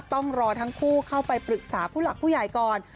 ต้องรอทั้งคู่เข้าไปปรึกษาผู้หลักผู้ใหญ่ก่อน